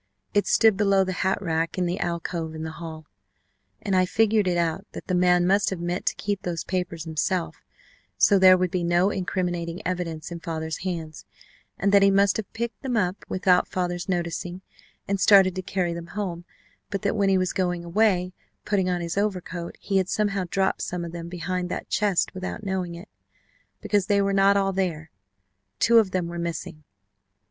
It stood below the hat rack in the alcove in the hall, and I figured it out that the man must have meant to keep those papers himself, so there would be no incriminating evidence in father's hands, and that he must have picked them up without father's noticing and started to carry them home; but that when he was going away, putting on his overcoat, he had somehow dropped some of them behind that chest without knowing it. Because they were not all there two of them were missing.